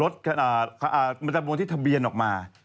มันจะบวนที่ทะเบียนออกมา